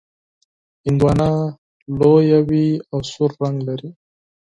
هندواڼه لویه وي او سور رنګ لري.